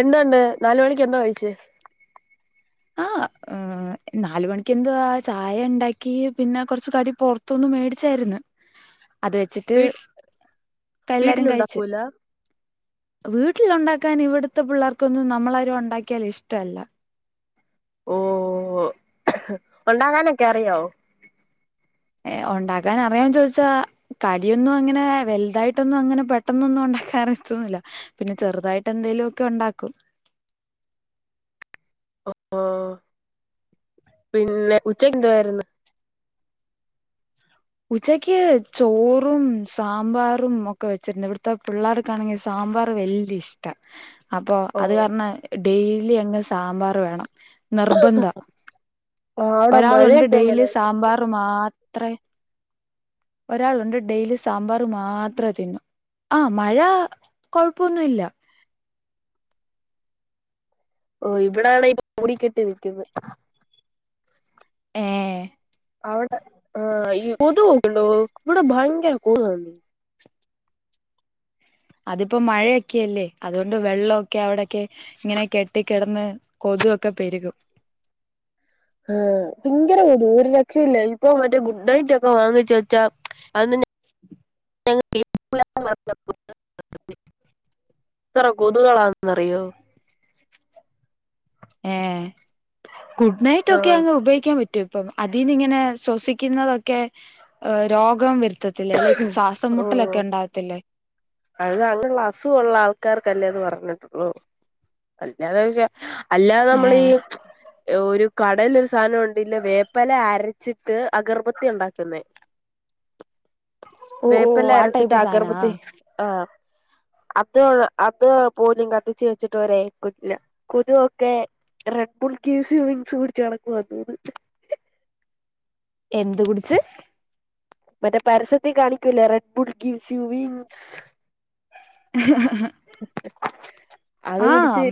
എന്താണ്ട് നാല് മണിക്ക് എന്താ കഴിച്ച് ആ ഉം നാല് മണിക്ക് എന്തുവാ ആ ചായ ഉണ്ടാക്കി പിന്നെ കൊറച്ചു കടി പൊറത്തൂന്ന് മേടിച്ചാര്ന്ന് അത് വെച്ചിട്ട് വീ എല്ലാരും കഴിച്ച് വീട്ടിലുണ്ടാക്കൂല വീ വീട്ടിൽണ്ടാക്കാൻ ഇവിടുത്തെ പിള്ളേർക്കൊന്നും നമ്മളാരും ഒണ്ടാക്കിയാൽ ഇഷ്ടവല്ല ഓ ഒണ്ടാകാനൊക്കെ അറിയോ ഏ ഒണ്ടാക്കാൻ അറിയാവോന്ന് ചോയിച്ചാ കടിയൊന്നും അങ്ങനെ വലുതായിട്ടൊന്നും അങ്ങനെ പെട്ടെന്നൊന്നും ഉണ്ടാക്കാൻ അറിയതൊന്നില്ല പിന്നെ ചെറുതായിട്ട് എന്തേലു ഒക്കെ ഒണ്ടാക്കും ഓ പിന്നെ ഉച്ചക്ക് എന്തുവാര്ന്ന് ഉച്ചക്ക് ചോറും സാമ്പാറും ഒക്കെ വെച്ചിരുന്നു ഇവിടത്തെ പിള്ളേർക്കാണെങ്കിൽ സ് സാമ്പർ വെല് ഇഷ് ട്ട അപ്പോ ഓ അത് കാർണ് ഡെയിലി അങ്ങ് സാമ്പാർ വേണം നിർബന്ധ അവിടെ ഒരാളുണ്ട് മഴയൊക്കെ ഡെയിലി എങ്ങനെ സാമ്പാർ മാ ത്രെ ഒരാളുണ്ട് ഡെയിലി സാമ്പാർ മാത്രെ തിന്നു ആ മഴ കൊഴപ്പൊന്നുവില്ല ഓ ഇവിടാണെ ഈ മൂടിക്കെട്ടി നിക്ക്ന്ന് ഏ അവിടെ ആ ഈ കൊതുക്കെ ഒണ്ടോ ഇവിടെ ഭയങ്കര കൊതുകാന്നെ, അതിപ്പോ മഴയൊക്കെയല്ലേ അതുകൊണ്ട് വെള്ളോക്കെ അവിടെ ക്കെ ഇങ്ങനെ കെട്ടി കെടന്ന് കൊതു ഒക്കെ പെരുകും ആ ഭയ്ങ്കര കൊതു ഒരു രക്ഷയില്ല ഇപ്പൊ മറ്റേ ഗുഡ് നൈറ്റ്ക്കെ വാങ്ങിചെച്ചാ അതി [unintelligible] എത്ര കൊതുകളാന്നറിയോ ഏഹ് ഗുഡ് നൈറ്റ് ആ ഒക്കെ അങ് ഉപയോഗിക്കാൻ പറ്റോ അപ്പം അതിനി ഇങ്ങനെ ശ്വസിക്കുന്നതൊക്കെ രോഗം വെരു ഓ അത് അങ്ങനുള്ള അസുഖ ഉള്ള ആൾക്കാർക്ക് ക്കല്ലേത് പറഞ്ഞിട്ടുള്ളൂ അല്ലാതെ അല്ലാതെ ഏ നമ്മള്‌ ഈ ഒരു കടേല് ഒരു സാധനം ഉണ്ടെങ്കില് [unintelligible] വേപ്പെല അരച്ചിട്ട് അഗർബത്തി ഉണ്ടാക്കുന്നേ ഓ ഓ വേപ്പല്ല ആ അരച്ചിട്ട് ടൈപ്പ് സാധനാ അകർബത്തി ആഹ് അത്ത് അത് പോയി കത്തിച്ച് വചിട്ട [unintelligible] കൊത് കൊക്കെ റെഡ് ബുൾക്കേസി വിങ്സ് കുടിച്ച ണക്ക്വ വന്നത് എന്ത് കുടിച്ച് മറ്റേ പരസ്യത്തി കാണിക്കൂല്ലേ Red Bull gives you wings അത് ആ കുടിച്ച്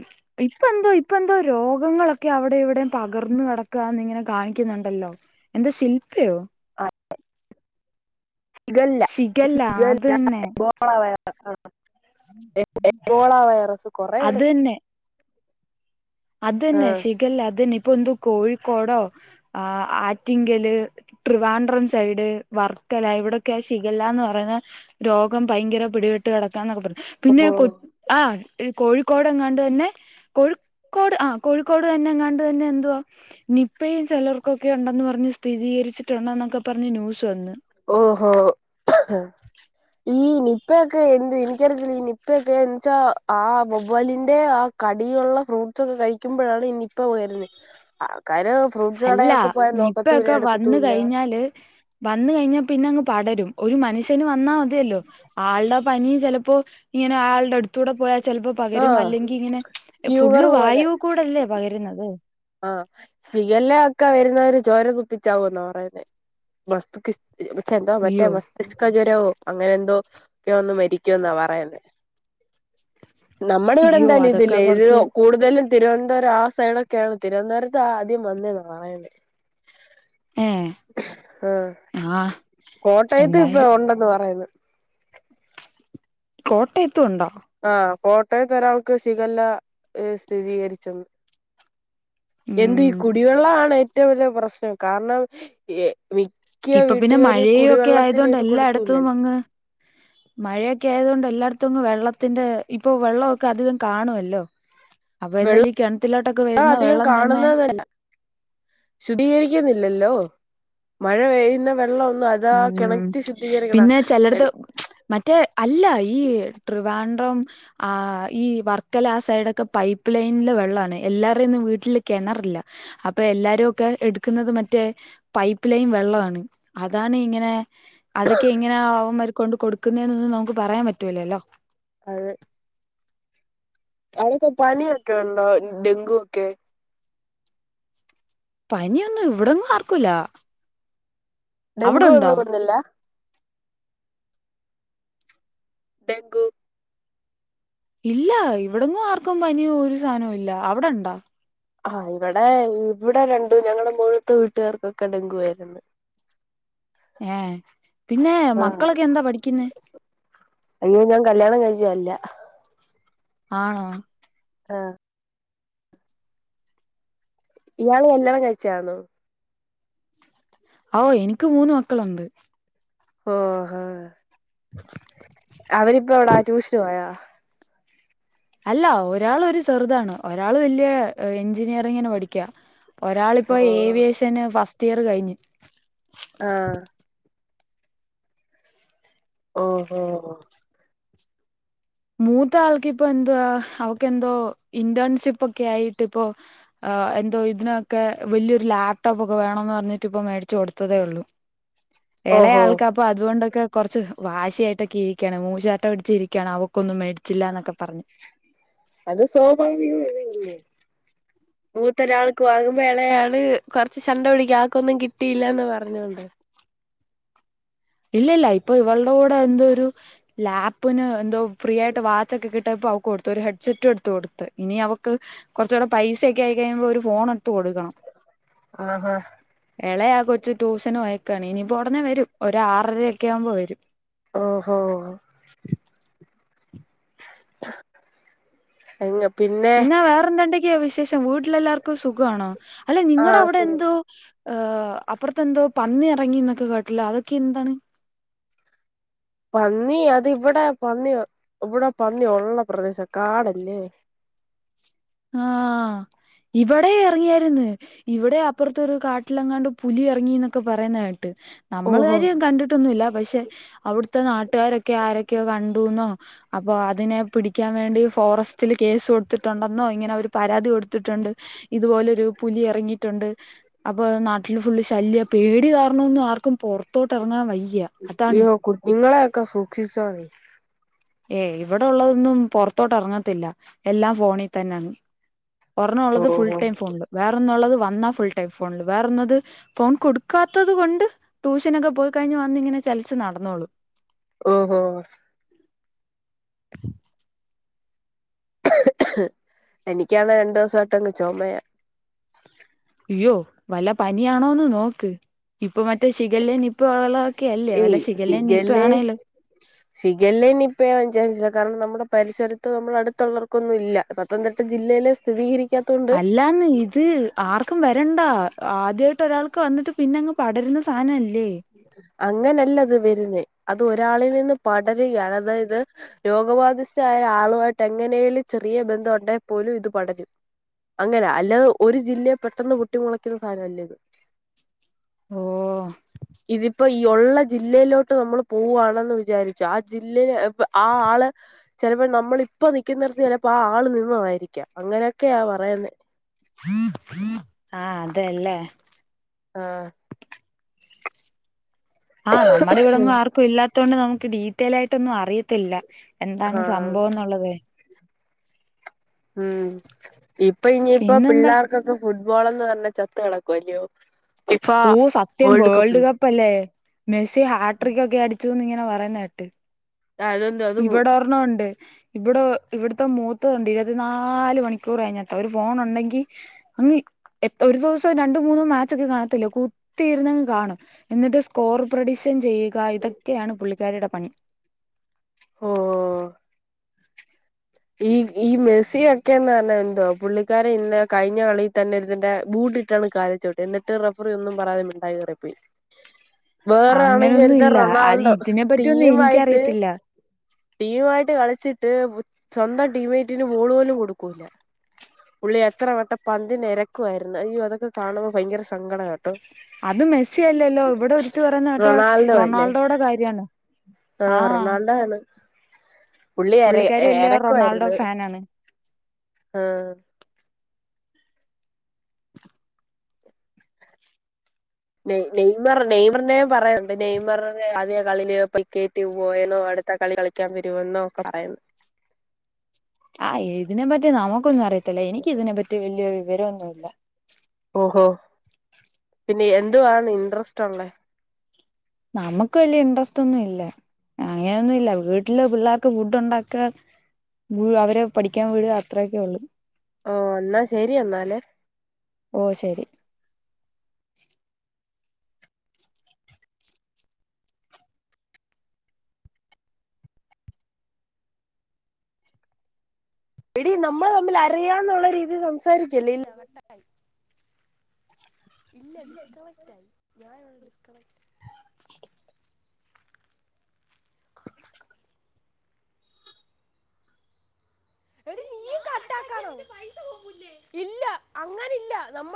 ഇപ്പ എന്തോ ഇപ്പ എന്തോ രോഗങ്ങളൊക്കെ അവിടെ ഇവിടെയും പകർന്ന് കിടക്കാന്ന് ഇങ്ങനെ കാണിക്കുന്നുണ്ടല്ലോ എന്ത ശില്പയോ സിഗല്ല ശിഖല്ല [unintelligible] അത് ല്ലോള തന്നെ ആ ആ [unintelligible] വൈറസ് കൊറേയുണ്ട് അത് തന്നെ അതന്നെ ശിഗല്ല അതന്നെ ഇ പ്പൊ എന്തോ കോഴിക്കോടോ ആ ആറ്റിങ്കല് ട്ട് ദിവാൻഡ്രം സൈഡ് വർക്കല ഇവിടെയൊക്കെ ആ ശിഖല്ലാന്ന് പറയുന്ന രോഗം ഭയങ്കര പിടിവെട്ട് കിടക്കാ എന്നൊക്കെ പറിം പിന്നെ ഓഹോ കൊ ആ കോഴി കോടങ്ങാണ്ട് തന്നെ കൊഴു ക്കോട് ആ കോഴിക്കോട് തന്നെ എങ്ങാണ്ട് തന്നെ എന്തുവാ നിപ്പയും ചിലർക്കൊക്കെ ഉണ്ടെന്ന് പറഞ് സ്ഥിരീകരിച്ചിട്ടുണ്ടന്നൊക്കെ പറഞ്ഞ് ന്യൂസ് വന്ന് ഓഹോ ഈ നിപ്പയൊക്കെ എന്ത് എനിക്കറിയത്തില്ല ഈ നിപ്പയൊക്കെ എന്ന് വെച്ചാ ആ വച്ചാലിന്റെ ആ കടീലുള്ള ഫ്രൂട്ടസ് ഒക്കെ കഴിക്കുമ്പഴാണ് ഈ നിപ്പ വരുന്നെ [unintelligible] അല്ല നിപ്പയൊക്കെ വന്ന കഴിഞ്ഞാല് വന്ന കഴിഞ്ഞ പിന്നെ അങ്ങ് പടരും ഒരു മനുഷനും ന്നാ മതിയല്ലോ ആളുടെ പനി ചിലപ്പോ ഇങ്ങനെ ആളുടെ അടു ത്തൂടെ പോയാൽ ചിലപ്പോൾ പകരും ആഹ് അല്ലെങ്കിൽ ഇങ്ങനെ ഫ്യൂവർ ഫുള്ള് പോലെ വായൂ കൂടെല്ലേ പകരു ന്നത് ആഹ് ശികല്ല ഒക്കെ വരുന്നവര് ചോര തുപ്പിച്ചാവൂ എന്നാ പറയുന്നെ വസ്തു കി ചെന്തോ മറ്റേ അയ്യോ മസ്തിഷ്കജ്വരവും അങ്ങനെ എന്തോ ഒക്കെ ഒന്ന് മരിക്കും എന്നാ പറയുന്നേ നമ്മുടെ ഇവിടെ അയ്യോ എന്തായാലും അതൊക്കെ ഇതില്ലേ ഇത് കൊറച്ച് കൂടുതലും തിരുവനന്തപുരം ആ സൈഡ് ഒക്കെയാണ് തിരുവനന്തപുരത്ത് ആദ്യം വന്നേന്നാ പറയുന്നെ ഏ ആഹ് ആഹ് കോട്ടയത്ത് ഇപ്പൊ എന്തായാലും ഉണ്ടെന്ന് പറയുന്നു കോട്ടയത്തും ഉണ്ടോ ആഹ് കോട്ടയത്ത് ഒരാൾക്ക് ശിഖല്ല സ്ഥിരീകരിച്ചന്ന് എന്ത് ഈ ഉം കുടിവെള്ള ആണ് ഏറ്റവും വലിയ പ്രശ് കാരണം ഇ ഇപ്പൊ പിന്നെ മഴയ ഒക്കെ ആയത് കൊണ്ട് ഇത് എല്ലായിടത്തും കൊടുത്തൂല്ലല്ലോ അങ്ങ് മഴയൊക്കെ ആയത് കൊണ്ട് എല്ലാ ട ത്തു അങ്ങ് വെള്ളത്തിന്റെ ഇപ്പൊ വെള്ളമൊക്കെ അധികം കാണുവല്ലോ അപ്പൊ വെള്ളം എന്തായാലും ഈ കിണത്തിലോട്ടൊക്കെ [unintelligible] വരുന്ന അധികം വെള്ളം തന്നെ കാണുന്നതല്ല ശുദ്ധീകരിക്കുന്നില്ലല്ലോ മഴ പെയ്യുന്ന വെള്ളം ഒന്നും അതാ ഉം കിണറ്റ് ശുദ്ധീകരിക്കണം പിന്നെ ചെലടത് മറ്റേ അല്ല ഈ ട്രിവാൻ പ്പം ഉം ഈ വർക്കല ആ സൈഡാെക്കെ പൈപ്പ്ലൈൻലെ വെള്ളാണേ എല്ലാര്ടെയും വീട്ടില് കെണറില്ല അപ്പ എല്ലാരു ഒക്കെ എടുക്കുന്നത് മറ്റേ പൈപ്പ് ലൈൻ വെളളാണ് അ താണ് ഇങ്ങനെ അതൊക്കെ എങ്ങനെ ആവുംന്നൊ കൊണ്ട് കൊടുക്കുന്നേന്നൊന്നും നമുക്ക് പറയാൻ പറ്റൂലല്ലോ അതെ അവിടൊക്കെ പനിയൊക്കെണ്ടാെ ഡെങ്കു ഒക്കെ പനിയൊന്നും ഇവിടൊന്നും ആർക്കുല്ല ഡെങ്കു ഒന്നും ബട്ന്ന്ല്ല ഡെങ്കു ഇല്ല ഇവിടൊന്നും ആർക്കും പനിയോ ഒരു സാധനോ ഇല്ല അവിടെണ്ടാ ആ ഇവടെ ഇവിടെ രണ്ടു ഞങ്ങളുടെ മുകള്ത്തെ വീട്ടുകാർക്കൊക്കെ ഡെങ്കുവായ്ര്ന്ന് ഏ പിന്നെ ആഹ് മക്കളൊക്കെ എന്താ പഠിക്കുന്നെ അയ്യോ ഞാൻ കല്യാണം കഴിച്ചെ അല്ല ആണോ ആ ഇയാള് കല്യാണം കഴിച്ചാന്നാേ ഓ എനിക്ക് മൂന്ന് മക്കള് ഒണ്ട് ഓ ആ അവരിപ്പോ എവിടാ ട്യൂഷന് പോയ അല്ല ഒരാളൊര് ചെറ്താണ് ഒരാള് വല്യ എഞ്ചിനീയറിങ്ങിന് പഠിക്ക ഒരാൾ ഇപ്പോ ഓഹ് ഏവിയേഷന് ഫസ് റ്റിയറ് കഴിഞ്ഞ് ആ ഓ ഓ മൂത്ത ആൾക്കിപ്പോ എന്തുവാ അവക്കെന്തോ ഇന്റേൺഷിപ്പാെക്കെ ആയിട്ട് ഇപ്പോ എന്തോ ഇതിനൊക്കെ വലിയൊരു ലാപ്ടോപ്പാെക്കെ വേണോന്ന് പറഞ്ഞിട്ട് ഇപ്പ മേടിച്ച് കൊട്ത്തതേ ഒള്ളു എളെയ ഓഹോ ആൾക്ക അപ്പൊ അതുകൊണ്ടൊക്കെ കാറച്ച് വാശിയായിട്ടൊക്കെ ഇരിക്കാണ് മൂശാട്ട പിടിച്ചിരിക്കയാണ് അവ ക്കൊന്നും മേടി അത് സ്വാഭാവികമാണല്ലോ മൂത്താെരാൾക്ക് വാങ്ങുമ്പ എളയാള് കൊറച്ച് ശണ്ട പിടിക്കു ആൾക്കൊന്നും കിട്ടിയില്ലാന്ന് പറഞ്ഞോണ്ട് ഇല്ല ഇല്ല ഇപ്പൊ ഇവൾടെ കൂടെ എന്തോ ഒരു ലാപ്പിന് എന്തോ ഫ്രീ ആയിട്ട് വാച്ചൊക്കെ കിട്ടിയപ്പോ അവക്ക് കൊടുത്തു ഒരു ഹെഡ്സെറ്റും എടുത്ത് കൊടുത്ത് ഇനി അവക്ക് കൊറച്ചൂടെ പൈസൊക്കെ ആയിക്കഴിയുമ്പ ഒരു ഫോണ് ആ ആ എളയ ആ കൊച്ച് ട്യൂഷന് പോയേക്കാണ് ഇനിയിപ്പോ ഒടനെ വെരും ഒരാറര അക്കെ ആവുമ്പോ വെരും ഓഹോ ഇനി പിന്നെ വേറെന്തണ്ടെങ്കിയ വിശേഷം വീട്ടിലെല്ലാർക്കും സുഖവാണോ അല്ല നിങ്ങളടെ അവിടെ ആഹ് എന്തോ ഏ അപ്പർത്തെന്തോ പന്നി എറങ്ങിന്നൊക്കെ കേട്ടല്ലോ അതൊക്കെ എന്താണ് പന്നി അത് ഇവിടെ പന്നി ഇവിടെ പന്നി ഉള്ള പ്രദേശം കാടല്ലേ ആഹ ഇവിടെ ഇറങ്ങിയായിന്ന് ഇവിടെ അപ്പുറത്തരു കാട്ടിലെങ്ങാണ്ട് പുലി ഇറങ്ങിന്നൊക്കെ പറയുന്ന കേട്ട നമ്മൾ ഓഹോ കാര്യം കണ്ടിട്ടൊന്നുമല്ല പക്ഷെ അവിടുത്തെ നാട്ടുകാരൊക്കെ ആരൊക്കെ കണ്ടന്നോ അപ്പോ അതിനെ പിടിക്കാൻ വേണ്ടി ഫോറസ്റ്റിൽ കേസ് കൊടുത്തിട്ടുണ്ട വന്നോ ഇങ്ങനെ ഒരു പരാതി കൊടുത്തിട്ടുണ്ട് ഇതുപോലൊരു പുലി ഇറങ്ങിയിട്ടുണ്ട് [unintelligible] അപ്പൊത് നാ വീട്ടില് ഫുള്ള് ശല്യ പേടി കാരണം ഒന്നും ആർക്കും പുറത്തോട്ട് ഇറങ്ങാൻ വയ്യ അതാണ് അയ്യോ കുഞ്ഞുങ്ങളെയൊക്കെ സൂക്ഷിച്ചോണേ ഏ ഇവിടെ ഉള്ളതൊന്നും പുറത്തോട്ട് ഇറങ്ങത്തില്ല എല്ലാം ഫോണി തന്നാണ് ഒരെണ്ണം ഉള്ളത് ഫുൾ ഓഹോ ടൈം ഫോൺണില് വേറെന്നുള്ളത് വന്നാ ഫുൾ ടൈം ഫോണില് വേറൊന്നത് ഫോൺ കൊടുക്കാത്തത് കൊണ്ട് ട്യൂഷനൊക്കെ പോയി കഴിഞ്ഞ് വന്ന് ഇങ്ങനെ ചെലച്ച് നടന്നോളു ഓ ഓ എനിക്കാണേ രണ്ടുസായിട്ടെങ്ങ് ചോമയാ അയ്യോ വല്ല പനിയാണോന്ന് നോക്ക് ഇപ്പൊ മറ്റേ ഷിഖലേ നിപ്പ യുളെ ഏയ് ശിഖല്ലേ ശിഖല്ലേ നിപ്പേ പഞ്ചഞ്ച കാരണം നമ്മുടെ പരിസരത്ത് നമ്മൾ അടുത്തുള്ളർക്കൊന്നും ഇല്ല പത്തനംതിട്ട ജില്ലയിലെ സ്ഥിരീകരിക്ക അല്ലാന്ന് ഇത് ആർക്കും വരണ്ടാ ആദ്യാ ഒരാൾക്ക് വന്നിട്ട് പിന്നെ ങ്ങ് പടരുന്ന സാധനല്ലേ അങ്ങനെയല്ല അത് വരുന്നേ അത് ഒരാളിൽ നിന്ന് പടര്കയാണ് അതായത് രോഗബാധിസ്ഥായ ആളു ആയിട്ട് എങ്ങനെലും ചെറിയ ബന്ധം ഉണ്ടേ പോലും ഇത് പടരും അങ്ങനാ അല്ലാതെ ഒരു ജില്ലയിൽ പെട്ടെന്ന് പൊട്ടിമുളക്കുന്ന സാധനല്ല ഇത് ഓ ഇതിപ്പോ ഈ ഒള്ള ജില്ലയിലേട്ട് നമ്മള് പോവാണെന്ന് വിചാരിച്ച ആ ജില്ലേ അഹ ആ ആള് ചെലപ്പോ നമ്മള് ഇപ്പം നിക്ക്‌ണോട്ത്ത് ചെലപ്പോ ആ ആള് നിന്നതായിരികാം അങ്ങനെക്കെ പറയുന്നേ ആ അതെ ല്ലേ ആ ആ നമ്മളവിടെന്നും ആർക്കും ഇല്ലാത്തോണ്ട് നമ്മു ഡീറ്റെയിലായിട്ട് ഒന്നും അറിയത്തില്ല എന്താണ് ആഹ് സംഭവം എന്നുള്ളത് ഉം ഇപ്പ ഇനിപ്പം പിന്നെന്താ പിള്ളേർക്കൊക്കെ ഫുഡ്‌ ഫുട്ബോൾ എന്ന് പറഞ്ഞാൽ ചത്തുകിടക്കുമല്ലോ ഊ സത്യം വേൾഡ് കപ്പല്ലേ മെസ്സി ആട്രിക്ക്‌ ഒക്കെ അടി റ്റൂ ന്ന് പറയണ കേട്ട് അതെന്താ അത് ഇവടെ ഒറെണ്ണം ഉണ്ട് ഇവടെ ഇവിട്ത്തെ മൂത്തത്ണ്ട് ഇരുവത്തി നാല് മണിക്കൂറും അയിനകത്ത ഒരു ഫോണുണ്ടെങ്കിൽ അനി ഒരു ദിവസം രണ്ടുമൂന്ന് മാച്ച് ഒക്കെ കാണത്തില്ലേ കുത്തിയിര്ന്നങ്ങ് കാണൂ എന്നിട്ട് സ്കോറ് പ്രൊഡിക്ഷൻ ചെയ്യുക ഇതൊക്കെയാണ് പുള്ളിക്കാരിയുടെ പണി ഓ ഓ ഈ ഈ മ്യൂസിയഒക്കെന്ന് പറഞ്ഞാ എന്തോ പുള്ളിക്കാരൻ ഇന്ന കഴിഞ്ഞ കളിയിൽ തന്നെ ഇരുന്നിട്ട് ബൂട്ട്ട്ടാണ് കാലിൽ ചൗട്ടി എന്നിട്ട് റഫറി ഒന്നും പറയാതെ മിണ്ടാതെ കേറിപ്പോയി വെറാണെങ്കിൽ അങ്ങനൊന്നും ഇല്ല അത് റൊണാൾഡോ ഇതിനെ പറ്റിയൊന്നും ടീം മായിട്ട് എനിക്കറിയത്തില്ല ടീമുമായിട്ട് കളിച്ചിട്ട് ബു സ്വന്തം ടീമേറ്റിന് ബോള് പോലും കൊടുക്കൂല, പുള്ളി എത്രവട്ടം പന്തിന് എരക്കുവായിരുന്നു. അയ്യോ അതൊക്കെ കാണുമ്പോൾ ഭയങ്കര സങ്കട ട്ടോ അത് മെസ്സി യല്ലല്ലോ? ഇവടെ ഒരുത്തി പറയു ന്നത് കേട്ടാൽ റൊണാൾഡോ അല്ലേ റൊണാൾഡോയുടെ കാര്യമാണെന്ന്, ആ റൊണാൾഡോ ആണ് പുള്ളി എറെ. പുള്ളിക്കാരി വലിയ എനക്ക റൊണാൾഡോ ആയിരുന്നു, ഫാനാണ് ആഹ നെയ നെയ്മർ നെയ്മറിന പറയുന്നുണ്ട് നെയ്മറി ആദ്യ കളിയില് പക്കേറ്റ് പോയെന്നോ, അടുത്ത കളി കളിക്കാൻ വരുമെന്നോ ഒക്കെ പറയുന്നു. ആഹ് ഇതിനെപ്പറ്റി നമുക്കൊന്നും അറിയത്തില്ല എനിക്ക് ഇതിനെപ്പറ്റി വലിയ വിവരൊന്നുല്ല. ഓഹോ പിന്നെ എന്തുവാാണ് ഇന്റ്രസ്റ്റ് ഉള്ള? നമുക്ക് വലിയ ഇൻട്രസ്റ്റ് ഒന്നും ഇല്ല, അങ്ങനെയൊന്നും ഇല്ല വീട്ടില് പിള്ളേർക്ക് ഫുഡ് ഉണ്ടാക്കാ, അവരെ പഠിക്കാൻ വീടുക, അത്രയൊക്കെ ഉള്ളു. ഓ എന്നാ ശെരി എന്നാലേ ഓ ശരി ഇടി നമ്മൾ തമ്മിൽ അറിയാന്നുള്ള രീതിയിൽ സം സാരിക്കല്ല, ഇല്ല കട്ടാ [unintelligible] ഇല്ല ഡിസ്കണക്റ്റ് ആയി ഞാനവിടെ ഡിസ്കണക്റ്റ് [unintelligible] എടി നീ കട്ടാക്കാന ഇല്ല അങ്ങനില്ല നമ്മ